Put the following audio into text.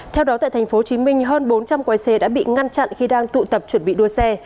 theo đó tại tp hcm hơn bốn trăm linh quay xe đã bị ngăn chặn khi đang tụ tập chuẩn bị đua xe